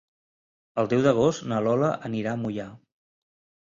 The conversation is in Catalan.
El deu d'agost na Lola anirà a Moià.